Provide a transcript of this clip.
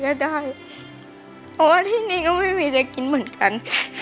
เพราะว่าที่นี่ก็ไม่มีเจ้ากินเหมือนกัน